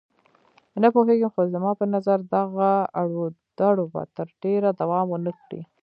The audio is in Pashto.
نه پوهېږم، خو زما په نظر دغه اړودوړ به تر ډېره دوام ونه کړي.